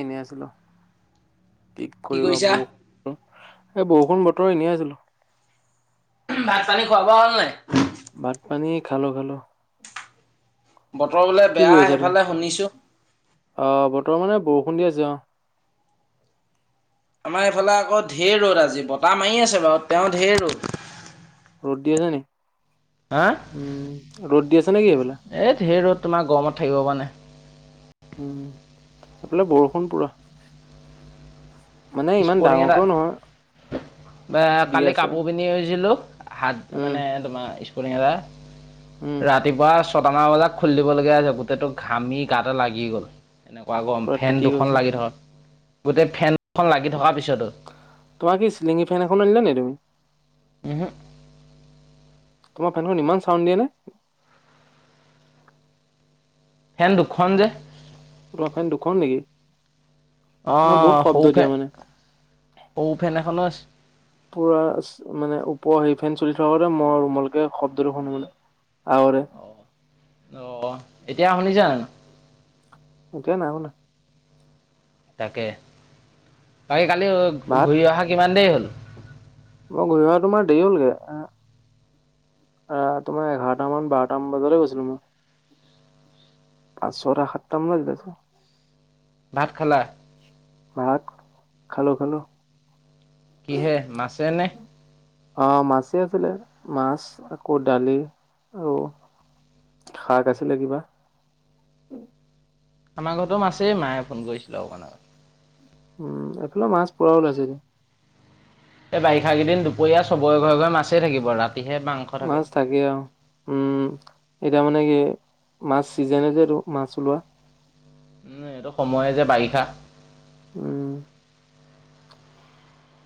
এনে আছিলোঁ, কি কৰিবা বৰষুণ এই বৰষুণ বতৰ এনেয়ে আছিলোঁ। ভাত পানী খোৱা বোৱা হ'ল নে নাই? ভাত পানী খালোঁ খালোঁ। বতৰ বোলে বেয়া আছা তুমি সেইফালে শুনিছো? আহ বতৰ মানে বৰষুণ দি আছে অ' আমাৰ এইফালে আকৌ ঢেৰ ৰ'দ আজি বতাহ মাৰি আছে বাৰু তেওঁ ঢেৰ ৰ'দ ৰ'দ দি আছে নেকি? হা নেকি এইফালে এই ঢেৰ তোমাৰ গৰমত থাকিব পৰা নাই। উম এইফালে বৰষুণ পুৰা। মানে ইমান ডাঙৰকেও নহয়। বা দি কালি আছে কাপোৰ আকৌ পিন্ধিছিলো হাত উম মানে তোমাৰ ইচ উম [unintelligible] ৰাতিপুৱা ছটামান বজাত খুলি দিবলগীয়া হৈছে গোটেইটো ঘামি গাতে লাগি গ'ল। এনেকুৱা গৰম পুৰা ফেন তিতি দুখন গৈছে লাগি থকা গোটেই ফেন দুখন লাগি থকাৰ পিছতো। তোমাৰ কি চিলিঙি ফেন এখনো আনিলা ন তুমি? উহ তোমাৰ ফেনখন ইমান চাউণ্ড দিয়ে নে? ফেন দুখন যে। তোমাৰ ফেন দুখন নেকি? অ ন বহুত শব্দ সৌ দিয়ে ফেন মানে সৰু ফেন এখনো আছে। পুৰাচ্ মানে ওপৰ হেৰি ফেন চলি থকা আগতে মই ৰুমালকে শব্দটো শুনো মানে আৰু দে। আছে। অ', এতিয়া শুনিছা জানো? এতিয়া নাই শুনা। তাকে বাকী কালি ভাত ঘূৰি অহা কিমান দেৰি হ'ল? মই ঘূৰি অহা তোমাৰ দেৰি হ'লগে। আহ তোমাৰ এঘাৰটা মান বাৰটামান বজতে গৈছিলো মই। পাঁচ ছটা সাতটা মানত গৈছে। ভাত খালা? ভাত খালো খালো। কিহে মাছেনে? অ মাছেই আছিলে, মাছ আকৌ দালি আৰু শাক আছিলে কিবা, আমাৰ ঘৰতো মাছেই, মায়ে ফোন কৰিছিলো অকণ আগত। উম এইফালে মাছ পোৰা ওলাইছে যে, এই বাৰিষা কেইদিন দুপৰীয়া চবৰে ঘৰে-ঘৰে মাছেই থাকিব। তাত মাছ থাকে আৰু উম এতিয়া মানে কি মাছ চিজেনে যে এটো মাছ ওলোৱা উম এইটো সময় যে বাৰিষা উম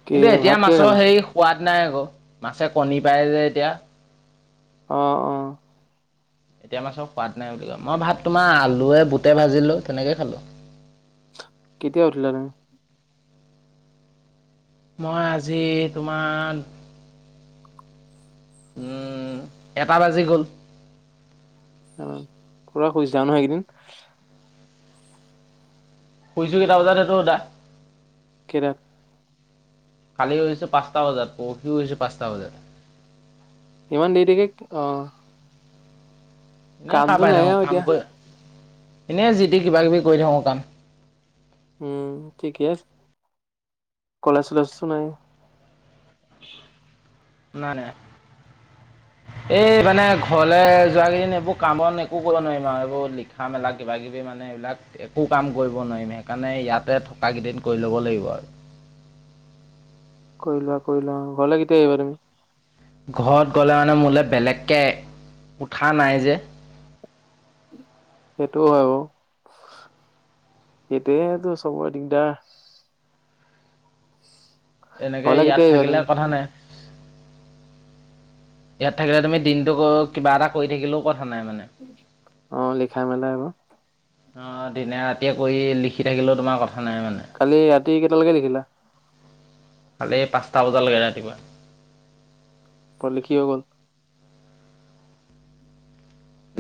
কি কিন্তু এতিয়া ভাত কিহে মাছৰ খালা হেৰি সোৱাদ নাই আকৌ মাছে কণী পায় যে এতিয়া অ অ এতিয়া মাছৰ সোৱাদ নাই বুলি কয় মই ভাত তোমাৰ আলুৱে বুটে ভাজিলো তেনেকেই খালো কেতিয়া উঠিলা তুমি? মই আজি তোমাৰ উম এটা বাজি গল পুৰা শুইছা নহ এইকেইদিন শুইছো কেইটা বজাত সেইটো সোধা কেতাত কালি শুইছো পাঁচটা বজাত পহি শুইছো পাঁচটা বজাত ইমান দেৰি দেৰিকে অ এনেই শাৰ কামটো পাই নাই থাকো আৰু কাম এতিয়া কৰি এনে যিদি কিবা কিবি কৰি থাকো কাম উম ঠিকেই কলেজ চলেজটো নাই নাই নাই [inaudible] এই মানে ঘৰলে যোৱা কেইদিন এইবোৰ কামত একো কৰিব নোৱাৰিম আও এইবোৰ লিখা মেলা কিবা কিবি মা মানে এইবিলাক একো কাম কৰিব নোৱাৰিম সেইকাৰণে ইয়াতে থকা কেইদিন কৰি ল'ব লাগিব আও কৰিলোৱা কৰিলোৱা ঘৰলে কেতিয়া আহিবা তুমি ঘৰত গ'লে মানে মোলে বেলেগকে কোঠা নাই যে সেইটো হয় বাও সেইটোৱে তো চবৰে দিগদাৰ এনেকে ঘৰলে ইয়াত কেতিয়া আহিবা থাকিলে তুমি কথা নাই ইয়াত থাকিলে তুমি দিনটো ক কিবা এটা কৰি থাকিলোও ক অ, লিখা মেলাই হ'ব। অ, দিনে ৰাতিয়ে কৰি লিখি থাকিলেও তোমাৰ কথ কালি ৰাতি কেইটালৈকে লিখিলা? কালি পাঁচটা বজালৈকে ৰাতিপুৱা। লিখি হৈ গ'ল?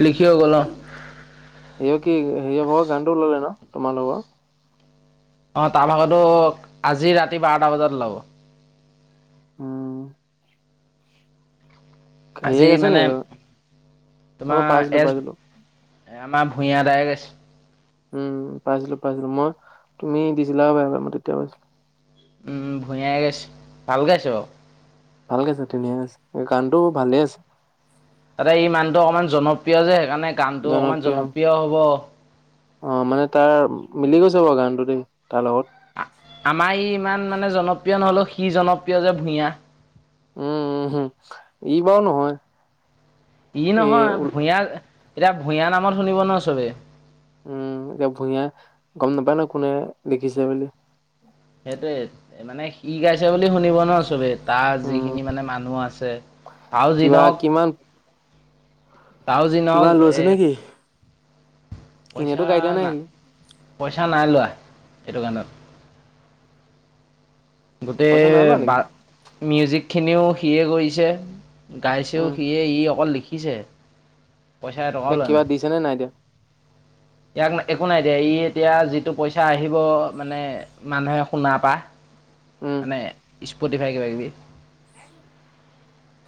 লিখি হৈ গ'ল অ', সেয় কি সেৰিয়ৰ ভাগৰ গানটো ওললে ন' তোমাৰ লগৰ? অ, তাৰ ভাগতো আজি ৰাতি বাৰটা বজাত ওলাব। উম, হেৰিয়ে আজি গাইছে নি মানে এইটো অ মই পাইছিলো তোমাৰ পাইছিলো এছ আমাৰ ভূঞা দায় গাইছে। উম, পাইছিলোঁ- পাইচিকো মই তুমি দিছিলা এবাৰ- এবাৰ মই তেতিয়া পাইছিলোঁ। উম, ভূঞাই গাইছে ভাল গাইছে বাৰু। ভাল [unintelligible] ধুনীয়া আছে গানটো ভালে আছে। তাতে ই মানুহটো অকমান জনপ্ৰিয় যে সেইকাৰণে গানটো অকমান জনপ্ৰিয় হ'ব। অ, মানে তাৰ মিলি গৈছে বাৰু গানটো দেই তাৰ লগত। আমাৰ ই ইমান মানে জনপ্ৰিয় নহলেও সি জনপ্ৰিয় যে ভূঞা। উম-উম হম, ই বাৰু নহয়। ই এই নহয় ওলা ভূঞা এতিয়া ভূঞা নামত শুনিব ন' চবে। উম, এতিয়া ভূঞা গম নাপায় নহয় কোনে দেখিছে বুলি। সেইটোৱে মানে সি গাইছে বুলি শুনিব ন' চবেই তাৰ উম, যিখিনি মানে মানুহ আছে আৰু যি কিবা নহওক, কিমান আৰু যি কিবা নহওক লৈছে এ নেকি? এনেতো পইচা গাড়ী দিয়া নাই না- সি পইচা নাই লোৱা এইটো কানত। গোটেই পইচা নাই লোৱা বা নেকি? মিউজিক খিনিও সিয়ে কৰিছে। গাইছেও উম, সিয়ে, ই অকল লিখিছে। পইচা এটকাও ইয়াক লোৱা কিবা দিছেনে নাই দিয়া? ইয়াক একো নাই দিয়া, ই এতিয়া যিটো পইচা আহিব মানে মানুহে শুনা পা। উম, মানে, স্পটিফাই কিবা কিবি,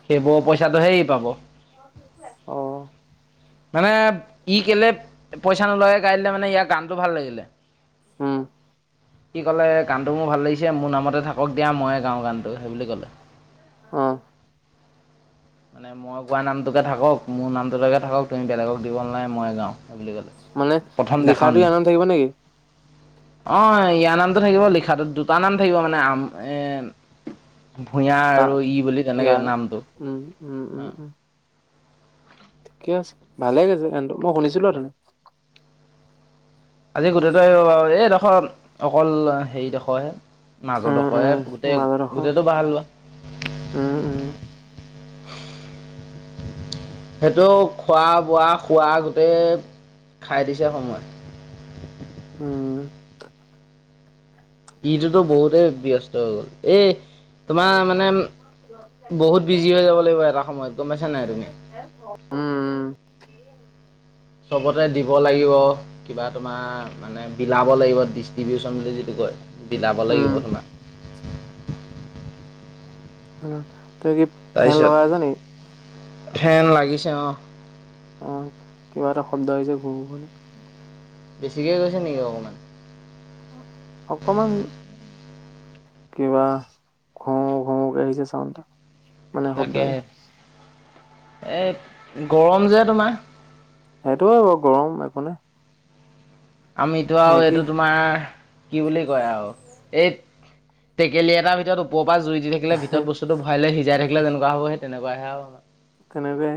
সেইবোৰ পইচাটো হে ই পাব। অ', মানে ই কেলে পইচা নুলোৱাকে গাই দিলে, মানে ইয়াৰ গানটো ভাল লাগিলে। উম। ই ক'লে গানটো মোৰ ভাল লাগিছে মোৰ নামতে থাকক দিয়া, মইয়ে গাওঁ গানটো সেই বুলি কলে। অহ। মানে মই কোৱা নামটোকে থাকক মোৰ নামটোকে থাকক তুমি বেলেগক দিব নালাগে, মই গাও। ক মানে প্ৰথম দেখা লিখাটো ইয়াৰ নাই, নাম থাকিব নেকি? অ ইযাৰ না নটো থাকিব লিখাটো দুটা নাম থাকিব মানে আম এ ভূঞা তা আৰু ই বুলি তেনেকে ইয়াৰ নামটো। উম উম উম উম। ঠিকে আছে ভালে গাইছে গানটো, মই শুনিছিলো অথুনি। আজি গোটটো আহিব বাৰু, এইডোখৰ অকল হেৰি ডোখৰহে। উম, মাজৰডোখৰে উম, গোটেই মাজৰডোখৰ গোটেইটো ভাল লোৱা। উম উম, অ [unintelligible] সেইটো খোৱা বোৱা খোৱা গোতেই - খাই দিছে সময়, উম, ইটোতো বহুতে ব্যস্ত হৈ গ'ল এই তোমাৰ মানে বহুত বিজি হৈ যাব লাগিব এটা সময়ত, গম পাইছা নাই তুমি? উম, চবতে দিব লাগিব কিবা তোমাৰ মানে বিলাব লাগিব ডিষ্ট্ৰিবউচন বুলি যিটো কয়। বিলাব লাগিব উম, তোমাক। তুমি কি ফেন তাৰপিছত লগা আছ নেকি? ফেন লাগিছে অ, অ কিবা এটা শব্দ আহছে ঘূ পলৈ, বেছিকৈ কৈছে নেকি অকণমান। অকমান কিবা ঘ ঘক আহিছে চাউনটা মানে তাকে শব্দৰে, এই গৰম যে তোমাৰ সেইটোয়ে ব গৰম একো নে, আমিতো আৰু এইটো তোমাৰ কি বুলি কয় আৰু এই টেকেলি এটাৰ ভিতৰত উপ প জুই দি থাকিলে ভিতৰত ভৰাই লৈ সিজাই থাকিলে কেনেকুৱা হব সেই তেনেকুৱাহে তেনেকাই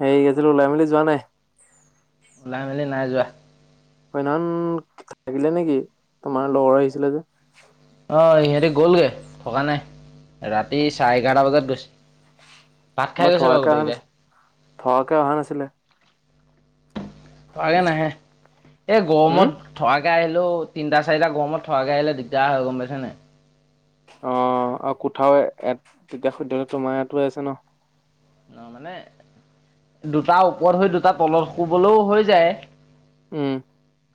সেই আছিলো ওলাই মেলি যোৱা নাই, ওলাই মেলি নাই যোৱা, কইনন থাকিলে নেকি তোমাৰ লগৰ আহিছিলে যে, অ সিহঁতি গ'লগৈ থকা নাই ৰাতি চাৰে এঘাৰটা বজাত গৈছে, ভাত তোমাৰ খাই গৈছে বাৰু থকাকে গোটেই অহা কেইটাই। নাছিল থ'কাকে অহা নাছিলে। নাহে নাহে এই উম গৰমত থকা কে আহিলেও তিনিটা চাৰিটা গৰমত থকাকে আহিলে দিগদাৰ হয়, গম পাইছা নে? অ', আৰু কোঠাওয়াত তেতিয়া [unintelligible] তোমাৰ ইয়াতো আছে ন'। অ', মানে দুটা ওপৰত হৈ দুটা তলত শুবলৈও হৈ যায়। উম।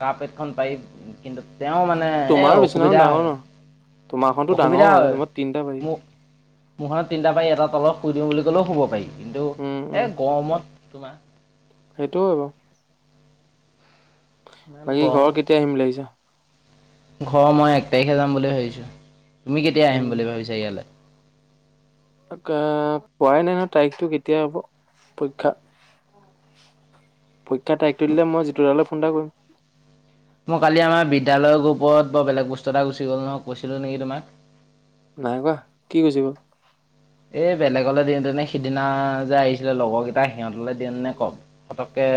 কাঁ পেটখন পাৰি কিন্তু তেওঁ মানে এ তোমাৰো বিচনাখন অসুবিধা ডাঙৰ হয়। ন তোমাৰখনতো অসুবিধা ডাঙৰ হয় তোমাৰ তিনটা পাৰি মহনত তিনিটা পাৰি এটা তলত শুই দিওঁ বুলি ক'লেও শুব পাৰি কিন্তু উম উম এ গৰমত তোমাৰ সেইটোও আৰু ইমান বাকী গৰম ঘৰৰ কেতিয়া আহিম বুলি ভাবিছা। ঘৰ মই এক তাৰিখে যাম বুলি ভাবিছো তুমি কেতিয়া আহিম উম বুলি ভাবিছা ইয়ালৈ কোৱাই নাই নহ তাৰিখটো কেতিয়া হব পৰীক্ষা পৰীক্ষাটা একটো দিলে মই যিটোলে ফোন এটা কৰিম মই কালি আমাৰ বিদ্যালয়ৰ ওপৰত বৰ বেলেগ বস্তু এটা গুচি গ'ল নহয় কৈছিলো নেকি তোমাক। নাই কোৱা কি গুচ গল এই বেলেগলৈ দিওঁতেনে সিদিনা যে আহিছিলে লগৰকেইটা সিহঁতলৈ দিওঁ নে কওক। পতকৈ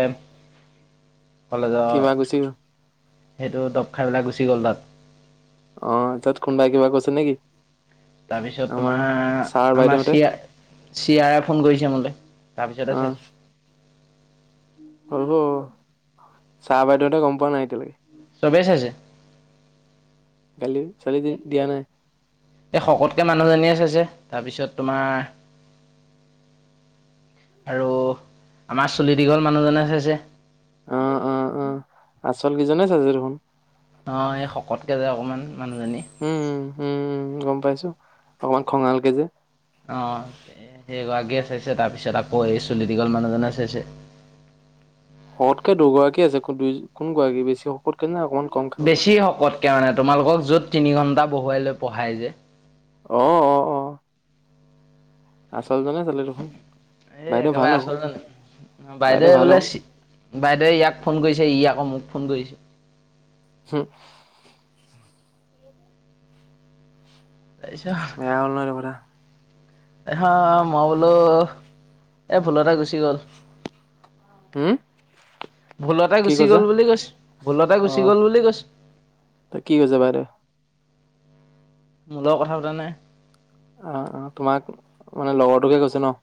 কলেজৰ। কিবা গুচি গ'ল সেইটো দব খাই পেলাই গুচি গ'ল তাত। অ তাত খুন্দা কিবা কৈছে নেকি তাৰপিছত আমাৰ তোমাৰ ছাৰ আমাৰ বাইদেউহঁতে চিয়া। চিয়াৰে ফোন কৰিছে মোলৈ তাৰপিছতে চাইছো। হ'লগৈ ছাৰ বাইদেউহতে গম পোৱা নাই এতিয়ালৈকে। ছবেই ছাইচে। চলি দি দিয়ানে এই শকতকে মানুহজনীয়ে চাইছে তাৰপিছত তোমাৰ [inaudible] আৰু আমাৰ চুলি দীঘল মানুহজনে চাইছে অ অ অ আচল কিজনে চাইছে দেখোন অ এই শকতকে যে অকমান মানুহজনী। উম উম গম পাইছো অকমান খঙালকে যে অঁ সেইগৰাকীয়ে তাৰপিছত আকৌ এই চলিটিকল মানুহজনে চাইছে শকতকে দুগৰাকী আছে দুই কোন গৰাকী বেছি শকতকে না বেছি শকত কাৰণে তোমালোকক যত তিনি ঘন্টা বহুৱাই লৈ পঢ়াই যে অ অ অ আচল জনে চালে দেখোন। এ বাইদেউ একেবাৰে ভাল হ'ব আচল নাই। বাইদেউ বাইদেৱে ভাল বোলে হ'ব বাইদেৱে ইয়াক ফোন কৰিছে ইয়াক। অ মোক ফোন কৰিছে। হু [inaudible] বেয়া হ'ল ন হেতোকথা। এ হা মই বোলো এ ভুলতে গুচি গ'ল। হম। ভুলতে কি গুচি কৈছা? গল বুলি কৈছে ভুলতে গুচি গল বুলি কৈছে ত কি কৰিছে বাদেউ। মোৰ লগত কথা সুধা নায়। অ'অ' তোমাক মানে লগৰটোকে গৈছে ন।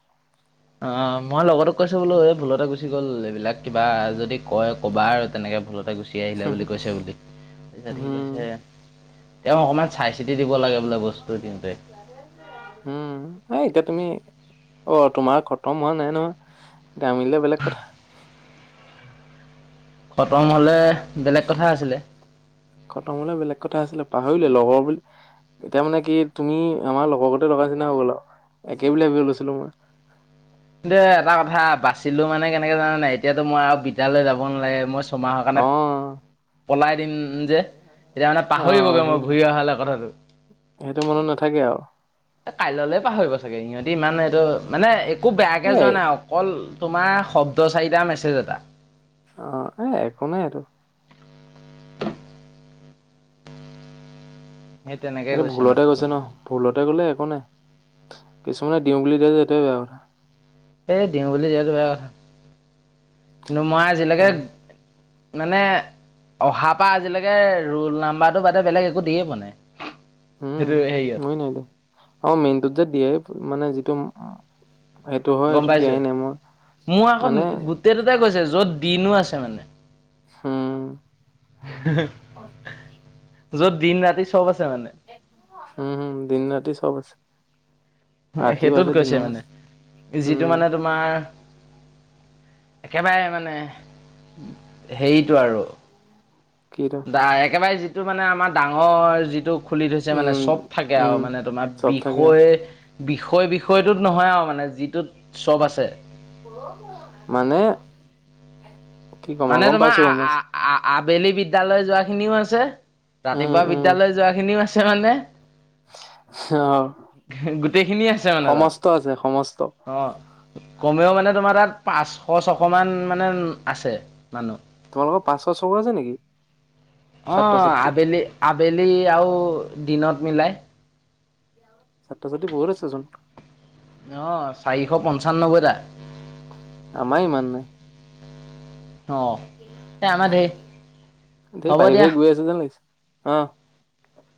অ মই লগতো কৈছো বোলো। এই ভুলতে গুচি গ'ল। এইবিলাক কিবা যদি কয় কবা আৰু তেনেকে ভুলতে। গুচি আহিলে বুলি কৈছে বুলি তাৰিপিছত সি উম, কৈছে। তেওঁ অকণমান চাই চিতি দিব লাগে বোলে বস্তু। দিওঁতে উম নাই এতিয়া তুমি অ তোমাৰ খতম হোৱা নাই নহয় দামিলিলে বেলেগ কথা খতম হ'লে বেলেগ কথা আছিলে। খতম হলে বেলেগ কথা আছিলে পাহৰিলে লগৰ বুলি এতিয়া মানে কি তুমি আমাৰ লগৰ গতে লগা চিনা হৈ গ'ল আৰু। একেবিলাক বি গৈছিলো মই কিন্তু এটা কথা বাচিলো মানে কেনেকে জানে নাই। এতিয়াতো মই আৰু বিদ্যালয় যাব নালাগে। মই ছমাহৰ কাৰণে অ', পলাই দিন যে এতিয়া মানে অ', পাহৰিবগৈ মই সেই ঘূৰি অহা হলে কথাটো সেইটো মনত নাথাকে আৰু। কাইলৈলে পাহৰিব চাগে সিহঁতি ইমান এইটো মানে একো বেয়াকে যোৱা এই নাই অকল তোমাৰ শব্দ চাৰিটা মেছেজ এটা অ, এ একো নাই আৰু সেই তেনেকে সটো ভুলতে মাত্ৰ। গৈছে ন ভুলতে গলে একো নাই। কিছুমানে দিওঁ বুলি দিয়া যে সেইটোয়ে বেয়া কথা এই দিওঁ বুলি যিহেতু বেয়া কথা কিন্তু মই আজিলৈকে উম, মানে অহাৰ পৰা আজিলৈকে ৰোল নাম্বাৰটো বাদে বেলেগ একো দিয়ে পোৱা নাই। উম সেইটো হেৰিয়ত মই নাই দে আ মেইনটোত যে দিয়ে মানে যিটো। সেইটো হয় গম সেইটো পাইছো দিয়াই নাই মই মোৰ আকৌ মানে গোটেই দুটাই কৈছে য'ত দিনো আছে মানে। হম। য'ত দিন ৰাতি চব আছ উম হম দিন ৰাতি চব আছে। ৰাতিও সেইটোত আছে কৈছে দিনো মানে আছে যিটো উম মানে তোমাৰ একেবাৰে মানে হেৰিটো আৰু কিটো দ একেবাৰে যিটো মানে আমাৰ ডাঙৰ যিটো খুলি থৈছে মানে উম চব থাকে আৰু উম মানে তোমাৰ চব থাকে বিষয় বিষয় বিষয়টোত নহয় আৰু মানে যিটোত চব আছে মানে কি কম আৰু মানে গম তোমাৰ পাইছো গম পাইছো আবেলি বিদ্যালয় যোৱা খিনিও আছে উম ৰাতিপুৱা উম বিদ্যালয় যোৱা খিনিও আছে মানে অ গোটেইখিনিয় আছে মানে তাত সমস্ত আছে সমস্ত আহ কমেও মানে তোমাৰ তাত পাঁচশ ছশ মান মানে আছে মানুহ। তোমালোকৰ পাঁচশ চকুৰ আছে নেকি অ, ছাত্ৰ ছাত্ৰী আবেলি আবেলি আৰু দিনত মিলাই ছাতটা যদি বহুত আছেচোন অ, চাৰিশ পঞ্চান্নব্বৈটা আমাৰ ইমান নাই। অঁ দেই, এই আমাৰ ধেৰ বাহিৰে হ'ব বাহিৰে দিয়া গৈ আছে যেন লাগিছে, অ'।